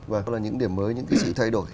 và cũng là những điểm mới những cái sự thay đổi